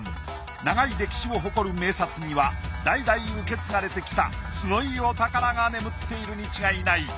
長い歴史を誇る名刹には代々受け継がれてきたすごいお宝が眠っているに違いない。